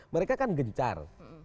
mereka kan gencar